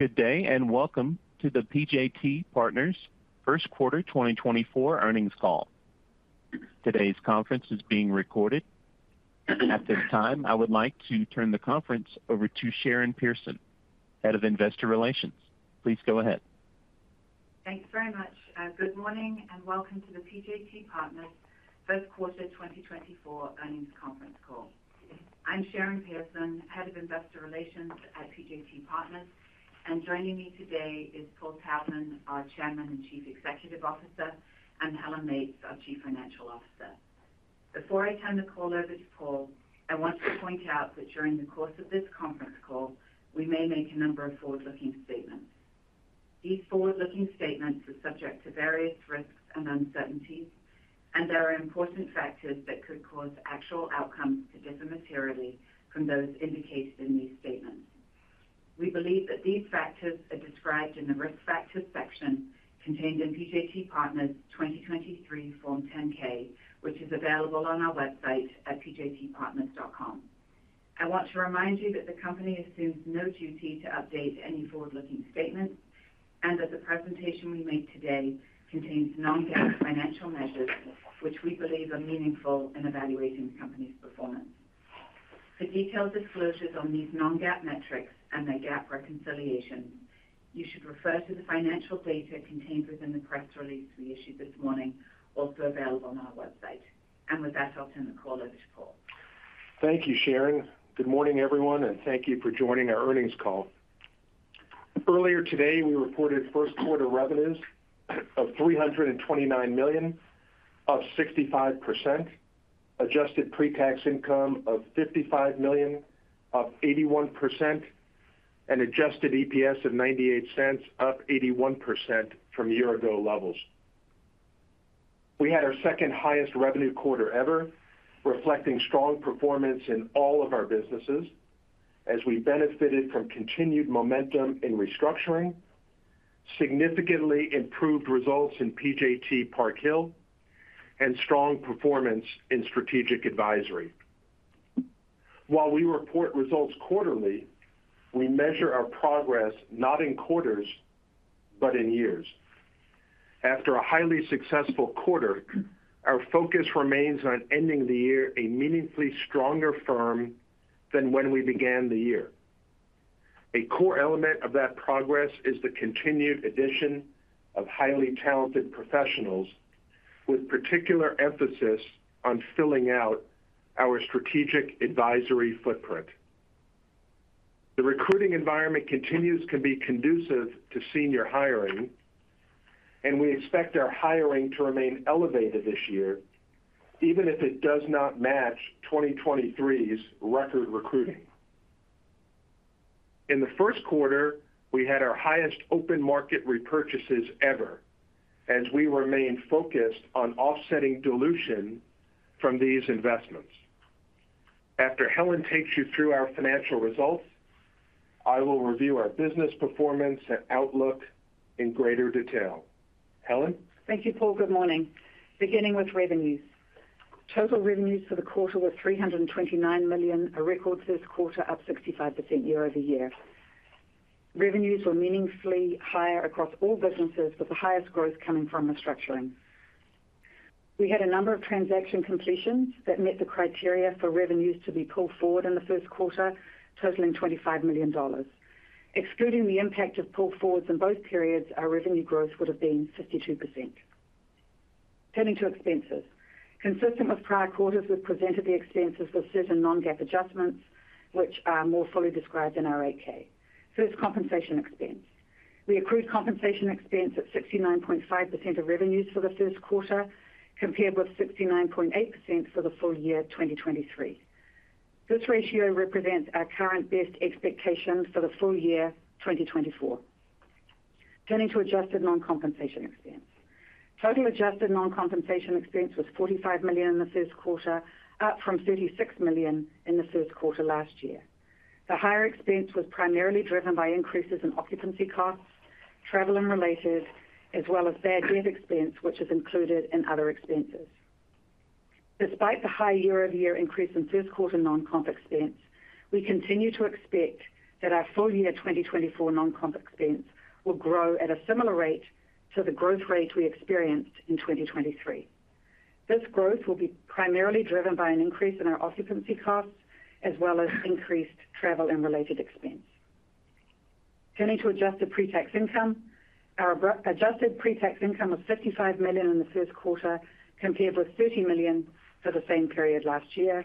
Good day, and welcome to the PJT Partners first quarter 2024 earnings call. Today's conference is being recorded. At this time, I would like to turn the conference over to Sharon Pearson, Head of Investor Relations. Please go ahead. Thanks very much. Good morning, and welcome to the PJT Partners first quarter 2024 earnings conference call. I'm Sharon Pearson, Head of Investor Relations at PJT Partners, and joining me today is Paul Taubman, our Chairman and Chief Executive Officer, and Helen Meates, our Chief Financial Officer. Before I turn the call over to Paul, I want to point out that during the course of this conference call, we may make a number of forward-looking statements. These forward-looking statements are subject to various risks and uncertainties, and there are important factors that could cause actual outcomes to differ materially from those indicated in these statements. We believe that these factors are described in the Risk Factors section contained in PJT Partners' 2023 Form 10-K, which is available on our website at pjtpartners.com. I want to remind you that the company assumes no duty to update any forward-looking statements, and that the presentation we make today contains non-GAAP financial measures, which we believe are meaningful in evaluating the company's performance. For detailed disclosures on these non-GAAP metrics and their GAAP reconciliation, you should refer to the financial data contained within the press release we issued this morning, also available on our website. With that, I'll turn the call over to Paul. Thank you, Sharon. Good morning, everyone, and thank you for joining our earnings call. Earlier today, we reported first quarter revenues of $329 million, up 65%, adjusted pre-tax income of $55 million, up 81%, and adjusted EPS of $0.98, up 81% from year-ago levels. We had our second highest revenue quarter ever, reflecting strong performance in all of our businesses as we benefited from continued momentum in Restructuring, significantly improved results in PJT Park Hill, and strong performance in Strategic Advisory. While we report results quarterly, we measure our progress not in quarters, but in years. After a highly successful quarter, our focus remains on ending the year a meaningfully stronger firm than when we began the year. A core element of that progress is the continued addition of highly talented professionals, with particular emphasis on filling out our Strategic Advisory footprint. The recruiting environment continues to be conducive to senior hiring, and we expect our hiring to remain elevated this year, even if it does not match 2023's record recruiting. In the first quarter, we had our highest open market repurchases ever, as we remain focused on offsetting dilution from these investments. After Helen takes you through our financial results, I will review our business performance and outlook in greater detail. Helen? Thank you, Paul. Good morning. Beginning with revenues. Total revenues for the quarter were $329 million, a record first quarter, up 65% year-over-year. Revenues were meaningfully higher across all businesses, with the highest growth coming from restructuring. We had a number of transaction completions that met the criteria for revenues to be pulled forward in the first quarter, totaling $25 million. Excluding the impact of pull forwards in both periods, our revenue growth would have been 52%. Turning to expenses. Consistent with prior quarters, we've presented the expenses for certain non-GAAP adjustments, which are more fully described in our 8-K. First, compensation expense. We accrued compensation expense at 69.5% of revenues for the first quarter, compared with 69.8% for the full year 2023. This ratio represents our current best expectations for the full year 2024. Turning to adjusted non-compensation expense. Total adjusted non-compensation expense was $45 million in the first quarter, up from $36 million in the first quarter last year. The higher expense was primarily driven by increases in occupancy costs, travel and related, as well as bad debt expense, which is included in other expenses. Despite the high year-over-year increase in first quarter non-comp expense, we continue to expect that our full year 2024 non-comp expense will grow at a similar rate to the growth rate we experienced in 2023. This growth will be primarily driven by an increase in our occupancy costs, as well as increased travel and related expense. Turning to adjusted pre-tax income. Our adjusted pre-tax income was $55 million in the first quarter, compared with $30 million for the same period last year,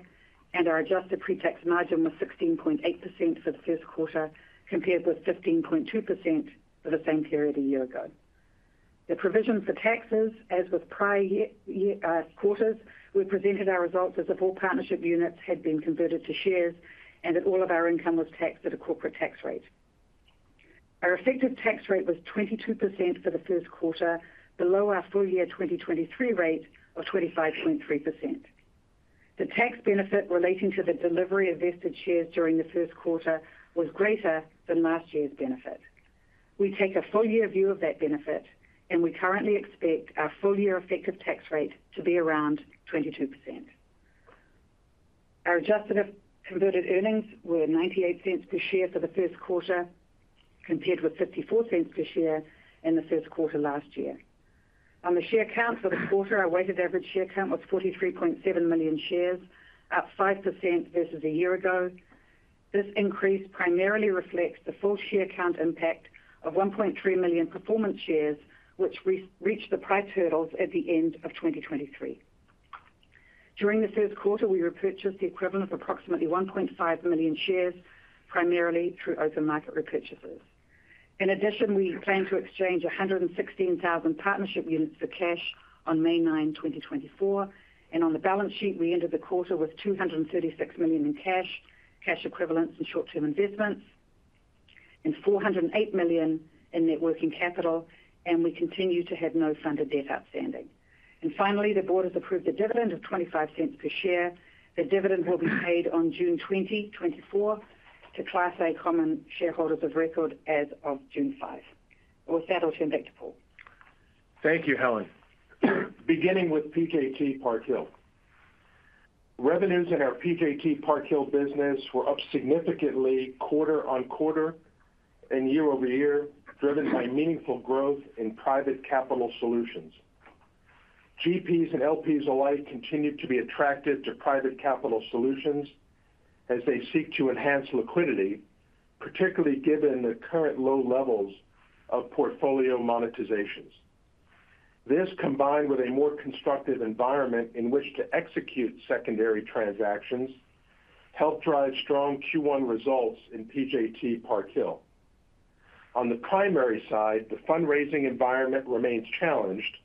and our adjusted pre-tax margin was 16.8% for the first quarter, compared with 15.2% for the same period a year ago. The provision for taxes, as with prior year, quarters, we presented our results as if all partnership units had been converted to shares and that all of our income was taxed at a corporate tax rate. Our effective tax rate was 22% for the first quarter, below our full year 2023 rate of 25.3%. The tax benefit relating to the delivery of vested shares during the first quarter was greater than last year's benefit. We take a full year view of that benefit, and we currently expect our full year effective tax rate to be around 22%.... Our adjusted or converted earnings were $0.98 per share for the first quarter, compared with $0.54 per share in the first quarter last year. On the share count for the quarter, our weighted average share count was 43.7 million shares, up 5% versus a year ago. This increase primarily reflects the full share count impact of 1.3 million performance shares, which reached the price hurdles at the end of 2023. During the first quarter, we repurchased the equivalent of approximately 1.5 million shares, primarily through open market repurchases. In addition, we plan to exchange 116,000 partnership units for cash on May 9, 2024, and on the balance sheet, we ended the quarter with $236 million in cash, cash equivalents, and short-term investments, and $408 million in net working capital, and we continue to have no funded debt outstanding. Finally, the board has approved a dividend of $0.25 per share. The dividend will be paid on June 20, 2024 to Class A common shareholders of record as of June 5. With that, I'll turn back to Paul. Thank you, Helen. Beginning with PJT Park Hill. Revenues in our PJT Park Hill business were up significantly quarter on quarter and year over year, driven by meaningful growth in private capital solutions. GPs and LPs alike continue to be attracted to private capital solutions as they seek to enhance liquidity, particularly given the current low levels of portfolio monetizations. This, combined with a more constructive environment in which to execute secondary transactions, helped drive strong Q1 results in PJT Park Hill. On the primary side, the fundraising environment remains challenged,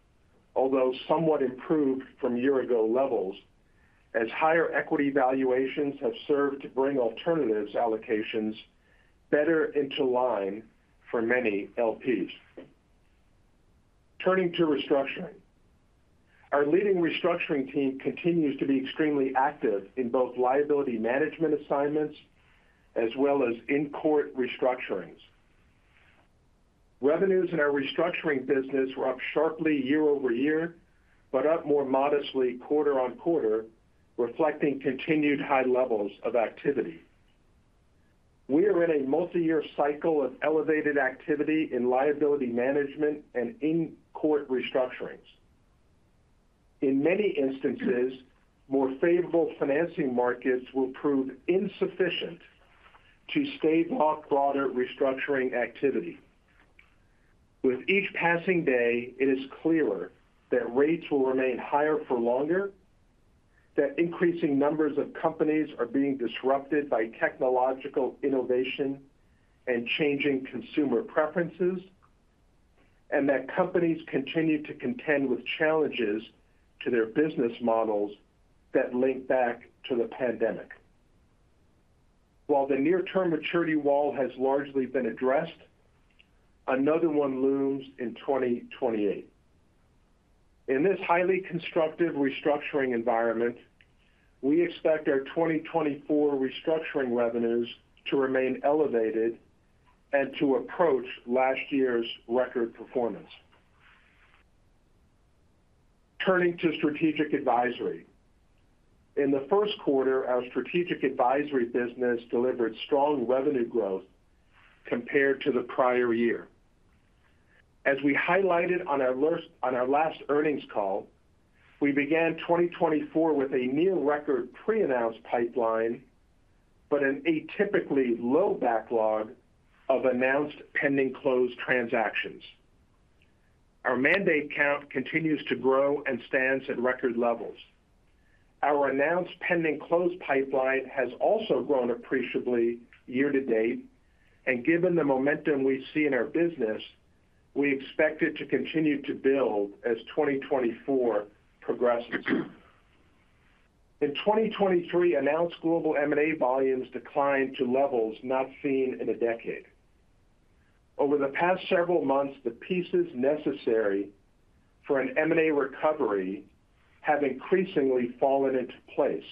although somewhat improved from year ago levels, as higher equity valuations have served to bring alternatives allocations better into line for many LPs. Turning to restructuring. Our leading restructuring team continues to be extremely active in both liability management assignments as well as in court restructurings. Revenues in our Restructuring business were up sharply year-over-year, but up more modestly quarter-over-quarter, reflecting continued high levels of activity. We are in a multi-year cycle of elevated activity in liability management and in-court restructurings. In many instances, more favorable financing markets will prove insufficient to stave off broader restructuring activity. With each passing day, it is clearer that rates will remain higher for longer, that increasing numbers of companies are being disrupted by technological innovation and changing consumer preferences, and that companies continue to contend with challenges to their business models that link back to the pandemic. While the near-term maturity wall has largely been addressed, another one looms in 2028. In this highly constructive restructuring environment, we expect our 2024 Restructuring revenues to remain elevated and to approach last year's record performance. Turning to Strategic Advisory. In the first quarter, our strategic advisory business delivered strong revenue growth compared to the prior year. As we highlighted on our last earnings call, we began 2024 with a near record pre-announced pipeline, but an atypically low backlog of announced pending closed transactions. Our mandate count continues to grow and stands at record levels. Our announced pending closed pipeline has also grown appreciably year to date, and given the momentum we see in our business, we expect it to continue to build as 2024 progresses. In 2023, announced global M&A volumes declined to levels not seen in a decade. Over the past several months, the pieces necessary for an M&A recovery have increasingly fallen into place,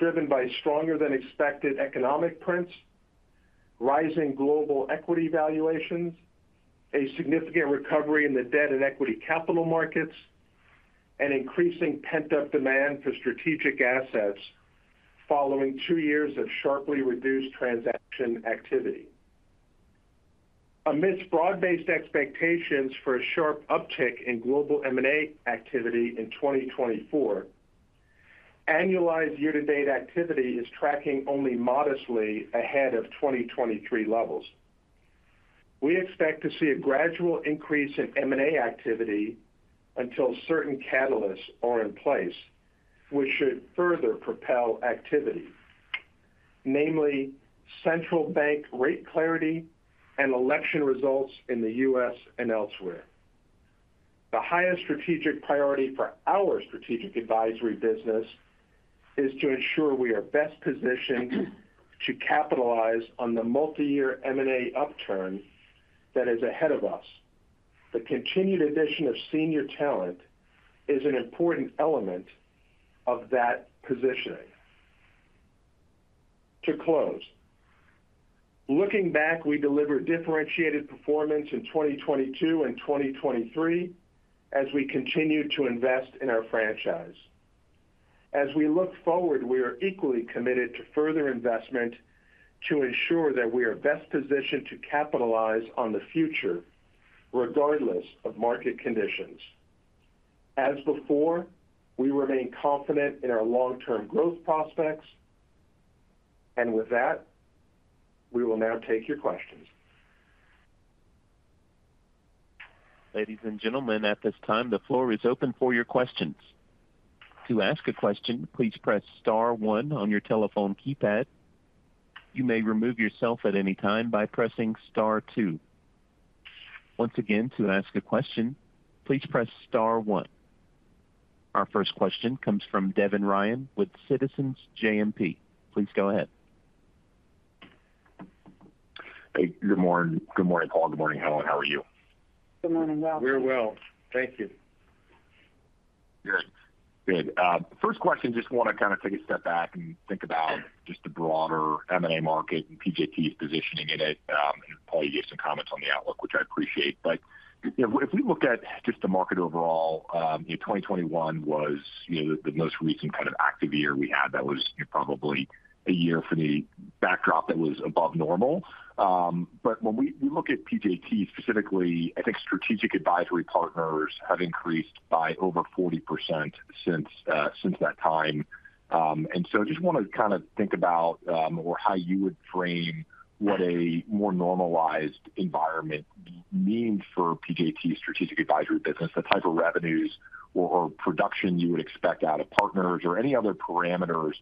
driven by stronger than expected economic prints, rising global equity valuations, a significant recovery in the debt and equity capital markets, and increasing pent-up demand for strategic assets following two years of sharply reduced transaction activity. Amidst broad-based expectations for a sharp uptick in global M&A activity in 2024, annualized year-to-date activity is tracking only modestly ahead of 2023 levels. We expect to see a gradual increase in M&A activity until certain catalysts are in place, which should further propel activity, namely central bank rate clarity and election results in the U.S. and elsewhere. The highest strategic priority for our strategic advisory business is to ensure we are best positioned to capitalize on the multi-year M&A upturn that is ahead of us. The continued addition of senior talent is an important element of that positioning.... To close, looking back, we delivered differentiated performance in 2022 and 2023 as we continued to invest in our franchise. As we look forward, we are equally committed to further investment to ensure that we are best positioned to capitalize on the future, regardless of market conditions. As before, we remain confident in our long-term growth prospects. With that, we will now take your questions. Ladies and gentlemen, at this time, the floor is open for your questions. To ask a question, please press star one on your telephone keypad. You may remove yourself at any time by pressing star two. Once again, to ask a question, please press star one. Our first question comes from Devin Ryan with Citizens JMP. Please go ahead. Hey, good morning. Good morning, Paul. Good morning, Helen. How are you? Good morning, welcome. Very well. Thank you. Good. Good. First question, just want to kind of take a step back and think about just the broader M&A market and PJT's positioning in it. And Paul, you gave some comments on the outlook, which I appreciate. But, you know, if we looked at just the market overall, you know, 2021 was, you know, the most recent kind of active year we had. That was probably a year for the backdrop that was above normal. But when we look at PJT specifically, I think Strategic Advisory partners have increased by over 40% since, since that time. So I just want to kind of think about or how you would frame what a more normalized environment means for PJT's Strategic Advisory business, the type of revenues or, or production you would expect out of partners or any other parameters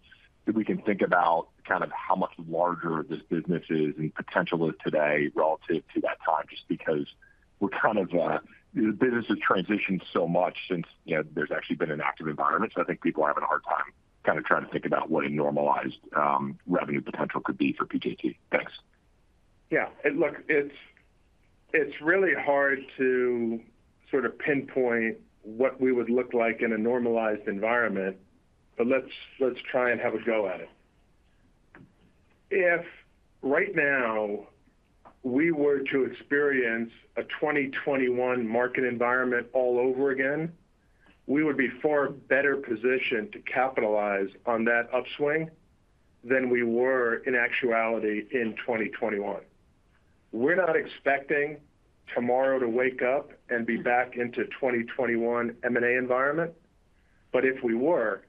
that we can think about, kind of how much larger this business is and potential is today relative to that time, just because we're kind of the business has transitioned so much since, you know, there's actually been an active environment. So I think people are having a hard time kind of trying to think about what a normalized revenue potential could be for PJT. Thanks. Yeah, look, it's really hard to sort of pinpoint what we would look like in a normalized environment, but let's try and have a go at it. If right now we were to experience a 2021 market environment all over again, we would be far better positioned to capitalize on that upswing than we were in actuality in 2021. We're not expecting tomorrow to wake up and be back into 2021 M&A environment, but if we were,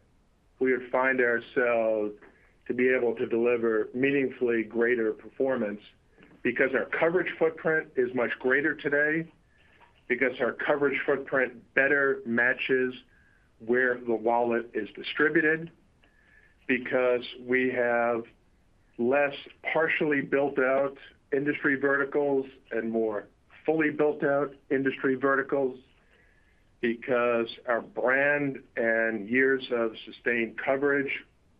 we would find ourselves to be able to deliver meaningfully greater performance because our coverage footprint is much greater today, because our coverage footprint better matches where the wallet is distributed, because we have less partially built-out industry verticals and more fully built-out industry verticals, because our brand and years of sustained coverage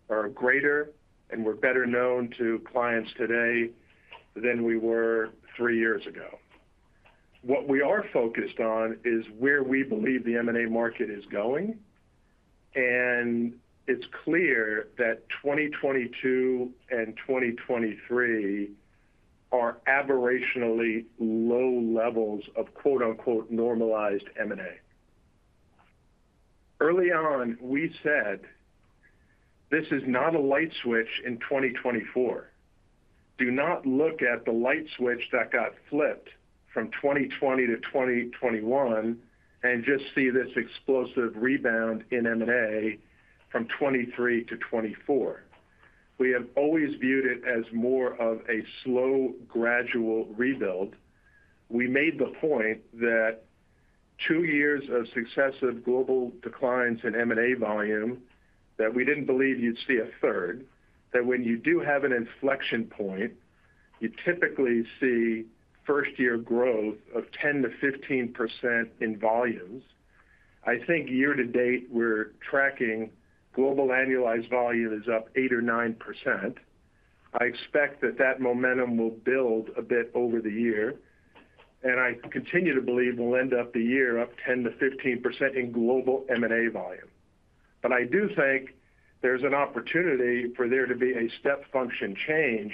are greater, and we're better known to clients today than we were three years ago. What we are focused on is where we believe the M&A market is going, and it's clear that 2022 and 2023 are aberrationally low levels of quote-unquote, normalized M&A. Early on, we said, "This is not a light switch in 2024. Do not look at the light switch that got flipped from 2020 to 2021 and just see this explosive rebound in M&A from 2023 to 2024." We have always viewed it as more of a slow, gradual rebuild. We made the point that two years of successive global declines in M&A volume, that we didn't believe you'd see a third, that when you do have an inflection point, you typically see first-year growth of 10%-15% in volumes. I think year to date, we're tracking global annualized volume is up 8% or 9%. I expect that that momentum will build a bit over the year, and I continue to believe we'll end up the year up 10%-15% in global M&A volume. But I do think there's an opportunity for there to be a step function change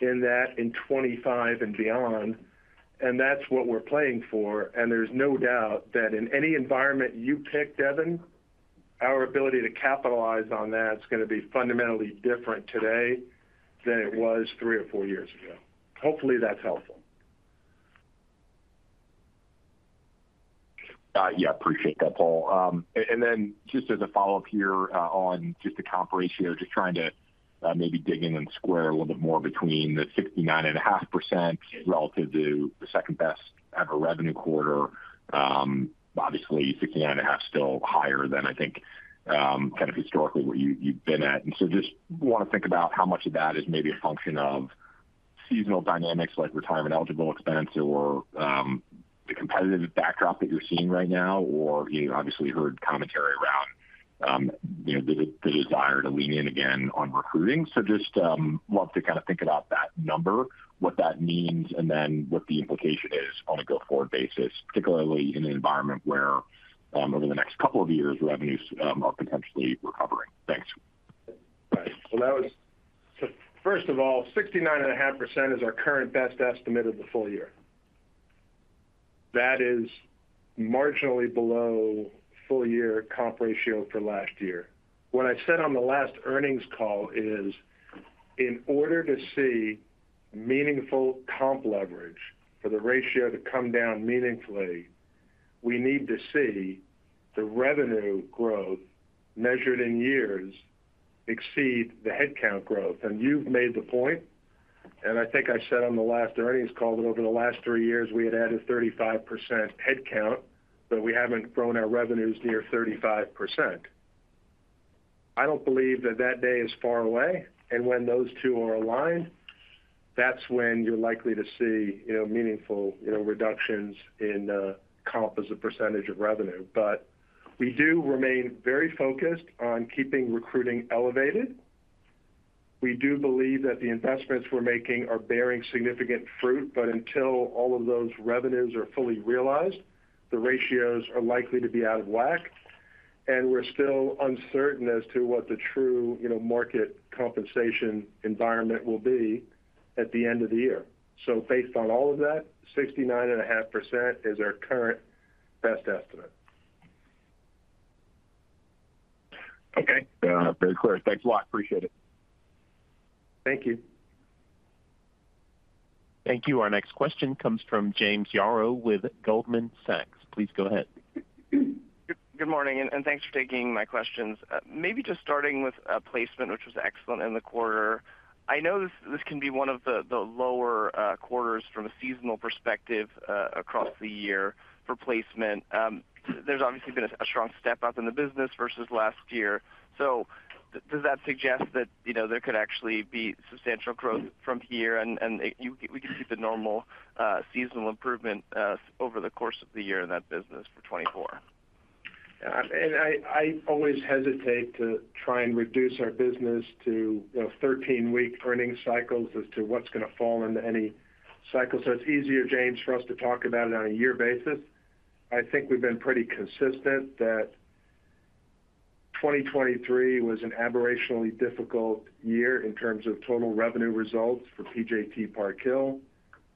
in that in 2025 and beyond, and that's what we're playing for. And there's no doubt that in any environment you pick, Devin, our ability to capitalize on that is going to be fundamentally different today than it was three or four years ago. Hopefully, that's helpful. Yeah, appreciate that, Paul. And then just as a follow-up here, on just the comp ratio, just trying to maybe dig in and square a little bit more between the 69.5% relative to the second-best-ever revenue quarter. Obviously, 69.5% still higher than, I think, kind of historically, where you've been at. And so just want to think about how much of that is maybe a function of seasonal dynamics, like retirement eligible expense, or the competitive backdrop that you're seeing right now, or, you know, obviously heard commentary around, you know, the desire to lean in again on recruiting. So just love to kind of think about that number, what that means, and then what the implication is on a go-forward basis, particularly in an environment where, over the next couple of years, revenues are potentially recovering. Thanks.... Well, so first of all, 69.5% is our current best estimate of the full year. That is marginally below full year comp ratio for last year. What I said on the last earnings call is, in order to see meaningful comp leverage for the ratio to come down meaningfully, we need to see the revenue growth measured in years exceed the headcount growth. And you've made the point, and I think I said on the last earnings call, that over the last three years we had added 35% headcount, but we haven't grown our revenues near 35%. I don't believe that that day is far away, and when those two are aligned, that's when you're likely to see, you know, meaningful, you know, reductions in comp as a percentage of revenue. But we do remain very focused on keeping recruiting elevated. We do believe that the investments we're making are bearing significant fruit, but until all of those revenues are fully realized, the ratios are likely to be out of whack, and we're still uncertain as to what the true, you know, market compensation environment will be at the end of the year. So based on all of that, 69.5% is our current best estimate. Okay, yeah, very clear. Thanks a lot. Appreciate it. Thank you. Thank you. Our next question comes from James Yaro with Goldman Sachs. Please go ahead. Good morning, and thanks for taking my questions. Maybe just starting with Placement, which was excellent in the quarter. I know this can be one of the lower quarters from a seasonal perspective across the year for Placement. There's obviously been a strong step up in the business versus last year. So does that suggest that, you know, there could actually be substantial growth from here, and we can see the normal seasonal improvement over the course of the year in that business for 2024? Yeah, and I always hesitate to try and reduce our business to, you know, 13-week earnings cycles as to what's gonna fall into any cycle. So it's easier, James, for us to talk about it on a year basis. I think we've been pretty consistent that 2023 was an aberrationally difficult year in terms of total revenue results for PJT Park Hill.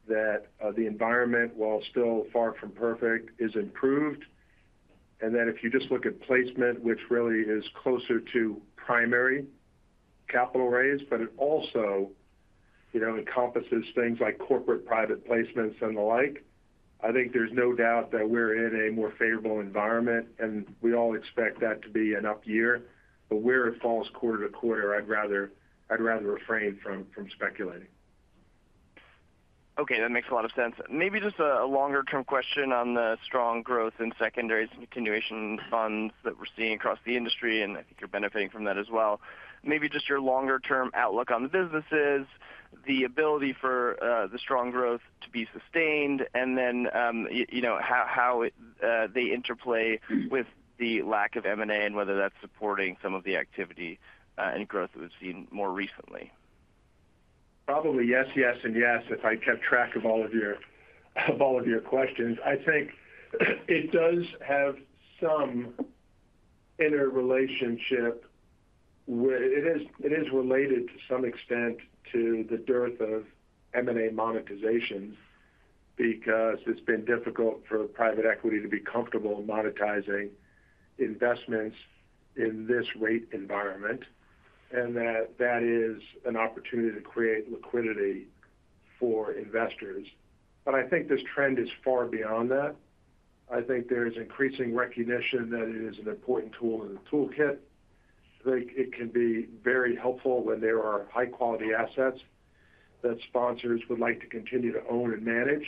That the environment, while still far from perfect, is improved. And then if you just look at placement, which really is closer to primary capital raise, but it also, you know, encompasses things like corporate private placements and the like. I think there's no doubt that we're in a more favorable environment, and we all expect that to be an up year. But where it falls quarter to quarter, I'd rather refrain from speculating. Okay, that makes a lot of sense. Maybe just a longer-term question on the strong growth in secondaries and continuation funds that we're seeing across the industry, and I think you're benefiting from that as well. Maybe just your longer-term outlook on the businesses, the ability for the strong growth to be sustained, and then you know, how they interplay with the lack of M&A and whether that's supporting some of the activity, and growth that we've seen more recently? Probably yes, yes, and yes, if I kept track of all of your, of all of your questions. I think it does have some interrelationship where it is, it is related to some extent to the dearth of M&A monetizations, because it's been difficult for private equity to be comfortable monetizing investments in this rate environment, and that that is an opportunity to create liquidity for investors. But I think this trend is far beyond that. I think there is increasing recognition that it is an important tool in the toolkit. I think it can be very helpful when there are high-quality assets that sponsors would like to continue to own and manage,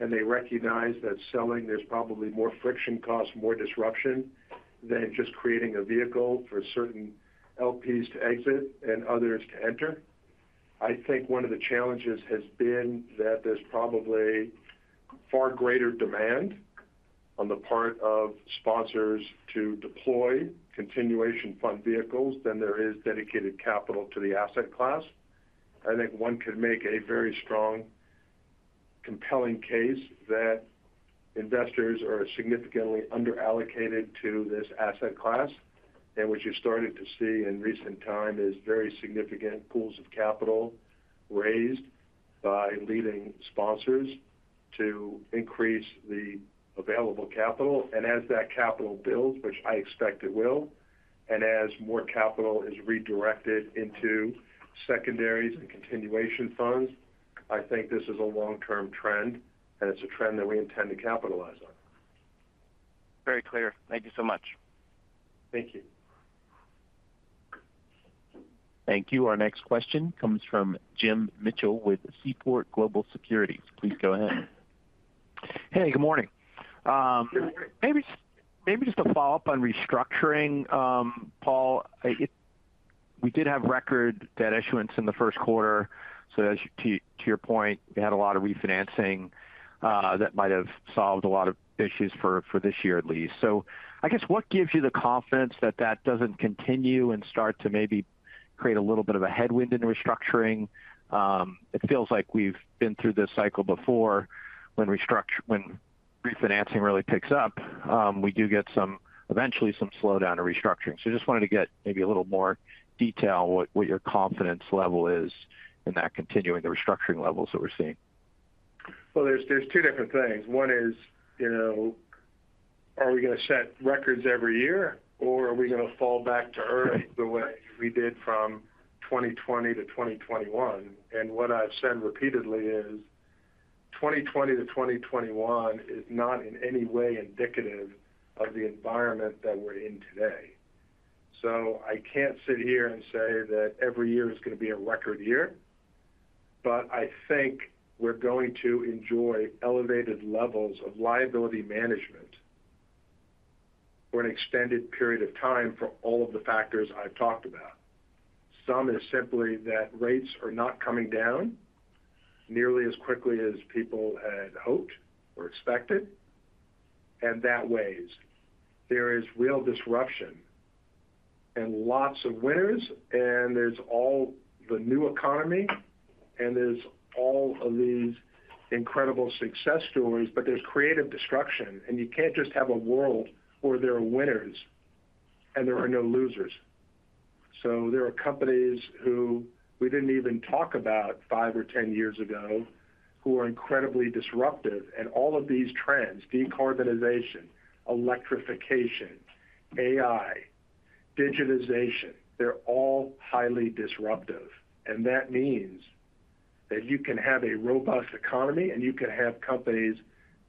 and they recognize that selling, there's probably more friction costs, more disruption than just creating a vehicle for certain LPs to exit and others to enter. I think one of the challenges has been that there's probably far greater demand on the part of sponsors to deploy continuation fund vehicles than there is dedicated capital to the asset class. I think one could make a very strong, compelling case that investors are significantly underallocated to this asset class. And what you're starting to see in recent time is very significant pools of capital raised by leading sponsors to increase the available capital. And as that capital builds, which I expect it will, and as more capital is redirected into secondaries and continuation funds, I think this is a long-term trend, and it's a trend that we intend to capitalize on. Very clear. Thank you so much. Thank you. Thank you. Our next question comes from Jim Mitchell with Seaport Global Securities. Please go ahead. Hey, good morning. Maybe, maybe just a follow-up on restructuring. Paul, we did have record debt issuance in the first quarter, so as to, to your point, we had a lot of refinancing, that might have solved a lot of issues for, for this year at least. So I guess, what gives you the confidence that that doesn't continue and start to maybe create a little bit of a headwind in restructuring? It feels like we've been through this cycle before, when refinancing really picks up, we do get eventually some slowdown or restructuring. So just wanted to get maybe a little more detail what, what your confidence level is in that continuing the restructuring levels that we're seeing. Well, there's two different things. One is, you know, are we going to set records every year, or are we going to fall back to earth the way we did from 2020 to 2021? And what I've said repeatedly is, 2020 to 2021 is not in any way indicative of the environment that we're in today. So I can't sit here and say that every year is going to be a record year, but I think we're going to enjoy elevated levels of liability management for an extended period of time for all of the factors I've talked about. Some is simply that rates are not coming down nearly as quickly as people had hoped or expected, and that weighs. There is real disruption and lots of winners, and there's all the new economy, and there's all of these incredible success stories, but there's creative destruction, and you can't just have a world where there are winners and there are no losers. So there are companies who we didn't even talk about five or 10 years ago, who are incredibly disruptive. And all of these trends, decarbonization, electrification, AI, digitization, they're all highly disruptive. And that means that you can have a robust economy, and you can have companies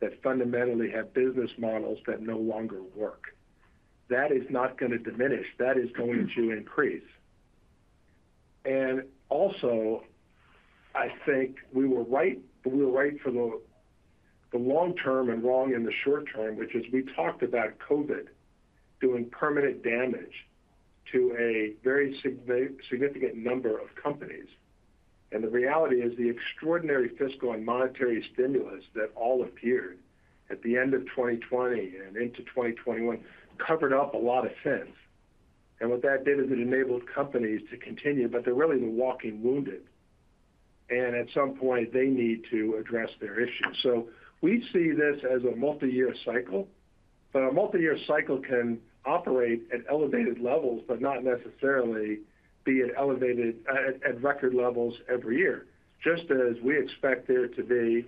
that fundamentally have business models that no longer work. That is not going to diminish; that is going to increase. And also, I think we were right, we were right for the long term and wrong in the short term, which is we talked about COVID doing permanent damage to a very significant number of companies. The reality is the extraordinary fiscal and monetary stimulus that all appeared at the end of 2020 and into 2021 covered up a lot of sins. What that did is it enabled companies to continue, but they're really the walking wounded, and at some point they need to address their issues. We see this as a multi-year cycle, but a multi-year cycle can operate at elevated levels, but not necessarily be at elevated, at record levels every year. Just as we expect there to be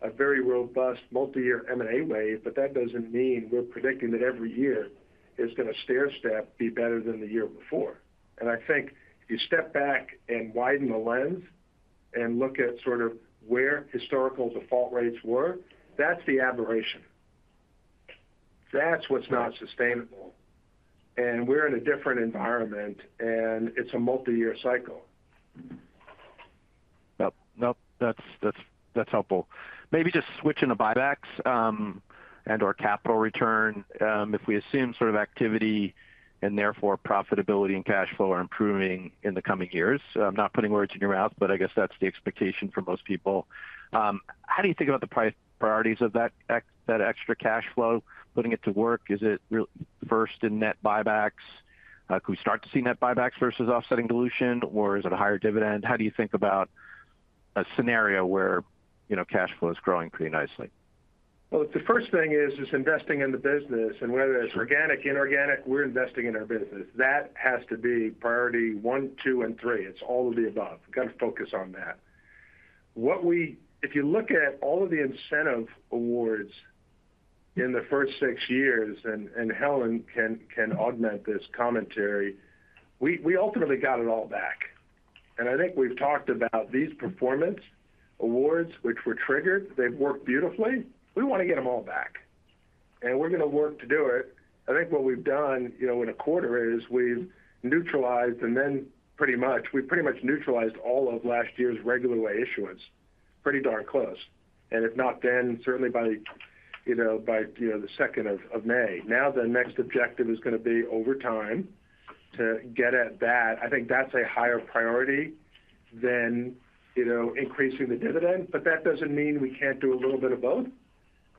a very robust multi-year M&A wave, but that doesn't mean we're predicting that every year is going to stairstep be better than the year before. I think if you step back and widen the lens and look at sort of where historical default rates were, that's the aberration. That's what's not sustainable. We're in a different environment, and it's a multi-year cycle. Yep. Nope, that's helpful. Maybe just switching to buybacks and/or capital return, if we assume sort of activity and therefore profitability and cash flow are improving in the coming years. I'm not putting words in your mouth, but I guess that's the expectation for most people. How do you think about the priorities of that extra cash flow, putting it to work? Is it really first in net buybacks? Could we start to see net buybacks versus offsetting dilution, or is it a higher dividend? How do you think about a scenario where, you know, cash flow is growing pretty nicely? Well, the first thing is investing in the business, and whether it's organic, inorganic, we're investing in our business. That has to be priority one, two, and three. It's all of the above. We've got to focus on that. What we—if you look at all of the incentive awards in the first six years, and Helen can augment this commentary, we ultimately got it all back. And I think we've talked about these performance awards, which were triggered. They've worked beautifully. We want to get them all back, and we're going to work to do it. I think what we've done, you know, in a quarter is we've neutralized and then pretty much, we pretty much neutralized all of last year's regular way issuance. Pretty darn close. And if not, then certainly by, you know, the second of May. Now, the next objective is going to be over time to get at that. I think that's a higher priority than, you know, increasing the dividend, but that doesn't mean we can't do a little bit of both.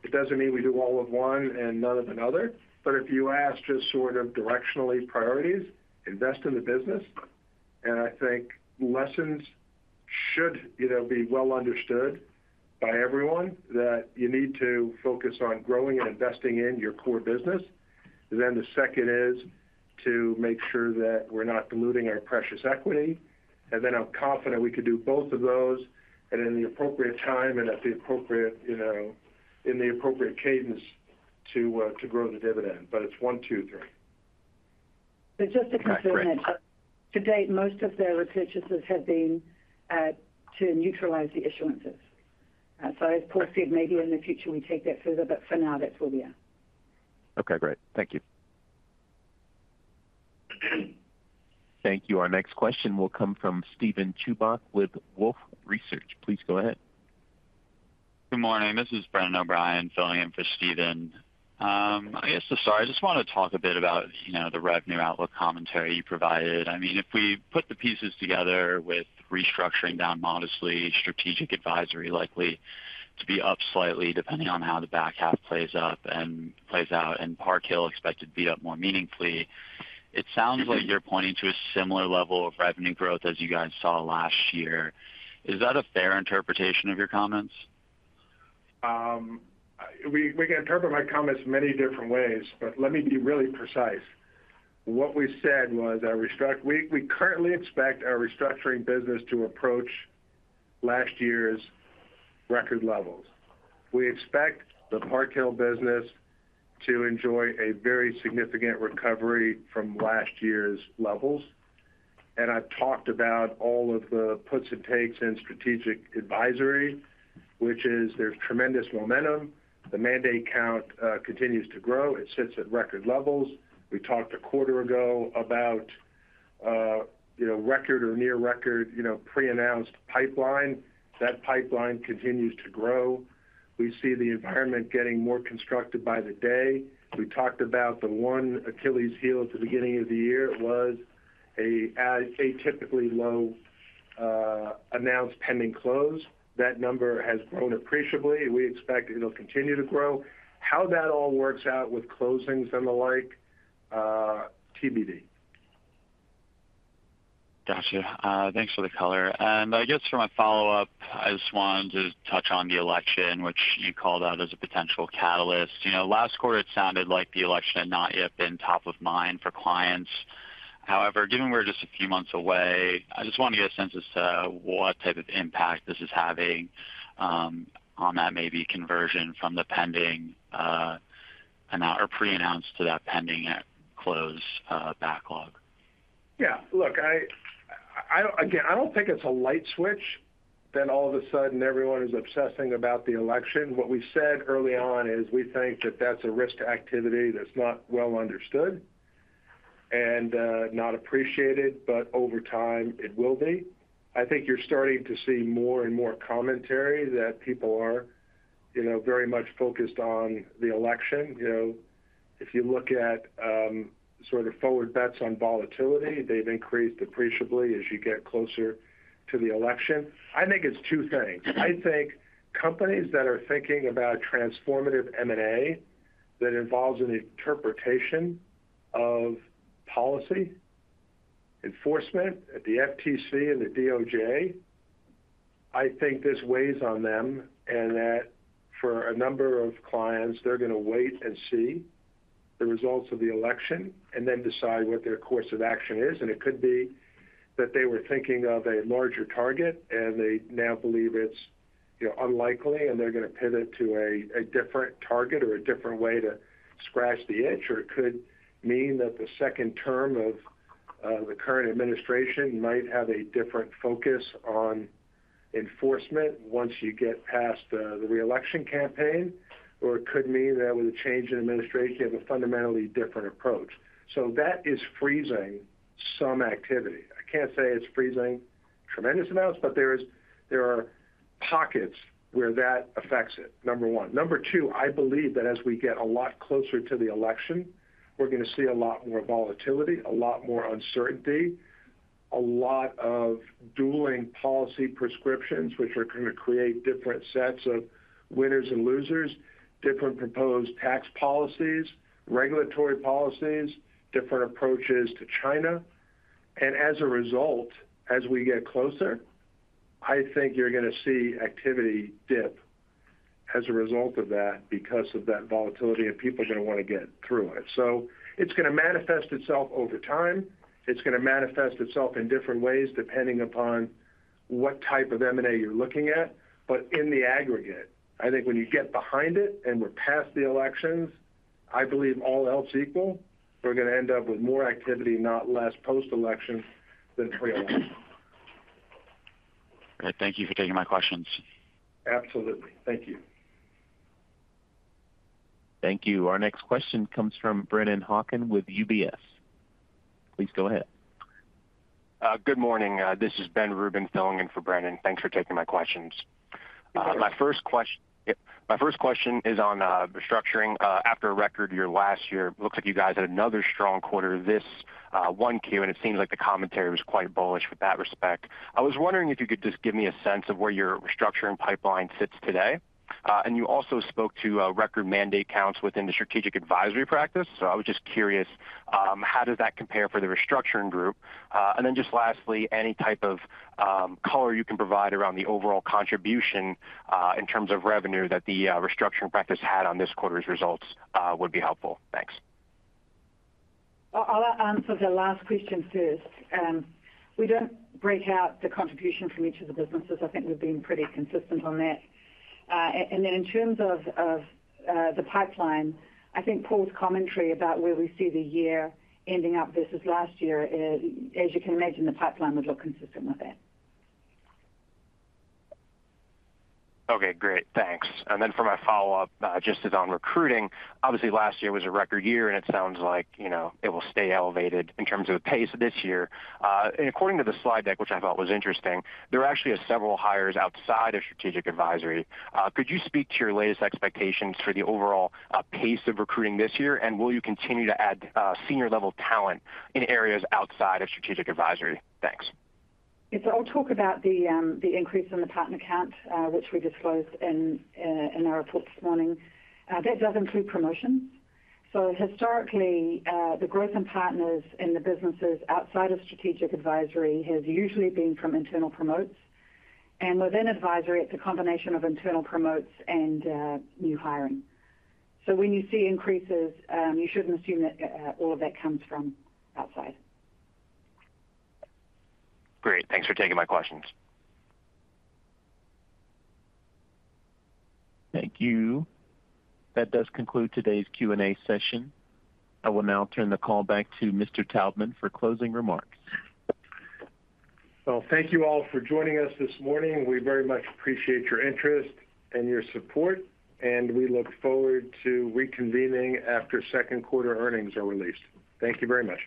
It doesn't mean we do all of one and none of another. But if you ask just sort of directionally priorities, invest in the business. And I think lessons should, you know, be well understood by everyone, that you need to focus on growing and investing in your core business. Then the second is to make sure that we're not diluting our precious equity. And then I'm confident we could do both of those and in the appropriate time and at the appropriate, you know, in the appropriate cadence to to grow the dividend. But it's one, two, three. But just to confirm that- Okay, great. - to date, most of their repurchases have been, to neutralize the issuances. So of course, maybe in the future we take that further, but for now, that's where we are. Okay, great. Thank you. Thank you. Our next question will come from Steven Chubak with Wolfe Research. Please go ahead. Good morning. This is Brendan O'Brien, filling in for Steven. I just want to talk a bit about, you know, the revenue outlook commentary you provided. I mean, if we put the pieces together with Restructuring down modestly, Strategic Advisory likely to be up slightly, depending on how the back half plays up and plays out, and Park Hill expected to be up more meaningfully.... It sounds like you're pointing to a similar level of revenue growth as you guys saw last year. Is that a fair interpretation of your comments? We can interpret my comments many different ways, but let me be really precise. What we said was we currently expect our Restructuring business to approach last year's record levels. We expect the Park Hill business to enjoy a very significant recovery from last year's levels. And I've talked about all of the puts and takes in Strategic Advisory, which is there's tremendous momentum. The mandate count continues to grow. It sits at record levels. We talked a quarter ago about, you know, record or near record, you know, pre-announced pipeline. That pipeline continues to grow. We see the environment getting more constructive by the day. We talked about the one Achilles heel at the beginning of the year was a typically low announced pending closed. That number has grown appreciably. We expect it'll continue to grow. How that all works out with closings and the like, TBD. Got you. Thanks for the color. And I guess for my follow-up, I just wanted to touch on the election, which you called out as a potential catalyst. You know, last quarter, it sounded like the election had not yet been top of mind for clients. However, given we're just a few months away, I just want to get a sense as to what type of impact this is having, on that maybe conversion from the pending, amount or pre-announced to that pending at close, backlog. Yeah, look, again, I don't think it's a light switch, then all of a sudden, everyone is obsessing about the election. What we said early on is we think that that's a risk to activity that's not well understood and not appreciated, but over time, it will be. I think you're starting to see more and more commentary that people are, you know, very much focused on the election. You know, if you look at sort of forward bets on volatility, they've increased appreciably as you get closer to the election. I think it's two things. I think companies that are thinking about transformative M&A that involves an interpretation of policy, enforcement at the FTC and the DOJ, I think this weighs on them, and that for a number of clients, they're going to wait and see the results of the election and then decide what their course of action is. It could be that they were thinking of a larger target, and they now believe it's, you know, unlikely, and they're going to pivot to a different target or a different way to scratch the itch, or it could mean that the second term of the current administration might have a different focus on enforcement once you get past the re-election campaign, or it could mean that with a change in administration, you have a fundamentally different approach. That is freezing some activity. I can't say it's freezing tremendous amounts, but there are pockets where that affects it, number one. Number two, I believe that as we get a lot closer to the election, we're going to see a lot more volatility, a lot more uncertainty, a lot of dueling policy prescriptions, which are going to create different sets of winners and losers, different proposed tax policies, regulatory policies, different approaches to China. And as a result, as we get closer, I think you're going to see activity dip as a result of that because of that volatility, and people are going to want to get through it. So it's going to manifest itself over time. It's going to manifest itself in different ways, depending upon what type of M&A you're looking at. But in the aggregate, I think when you get behind it and we're past the elections, I believe all else equal, we're going to end up with more activity, not less, post-election than pre-election. Thank you for taking my questions. Absolutely. Thank you. Thank you. Our next question comes from Brennan Hawken with UBS. Please go ahead. Good morning, this is Ben Rubin filling in for Brennan. Thanks for taking my questions. Sure. My first question is on restructuring. After a record year last year, it looks like you guys had another strong quarter, this Q1, and it seems like the commentary was quite bullish with that respect. I was wondering if you could just give me a sense of where your restructuring pipeline sits today. And you also spoke to a record mandate counts within the strategic advisory practice. So I was just curious, how does that compare for the restructuring group? And then just lastly, any type of color you can provide around the overall contribution, in terms of revenue that the restructuring practice had on this quarter's results, would be helpful. Thanks. I'll answer the last question first. We don't break out the contribution from each of the businesses. I think we've been pretty consistent on that. And then in terms of the pipeline, I think Paul's commentary about where we see the year ending up versus last year is, as you can imagine, the pipeline would look consistent with that. Okay, great. Thanks. And then for my follow-up, just as on recruiting, obviously last year was a record year, and it sounds like, you know, it will stay elevated in terms of the pace this year. And according to the slide deck, which I thought was interesting, there actually are several hires outside of Strategic Advisory. Could you speak to your latest expectations for the overall pace of recruiting this year, and will you continue to add senior-level talent in areas outside of Strategic Advisory? Thanks. Yes, I'll talk about the increase in the partner count, which we disclosed in our report this morning. That does include promotions. So historically, the growth in partners in the businesses outside of strategic advisory has usually been from internal promotes. And within advisory, it's a combination of internal promotes and new hiring. So when you see increases, you shouldn't assume that all of that comes from outside. Great. Thanks for taking my questions. Thank you. That does conclude today's Q&A session. I will now turn the call back to Mr. Taubman for closing remarks. Well, thank you all for joining us this morning. We very much appreciate your interest and your support, and we look forward to reconvening after second quarter earnings are released. Thank you very much.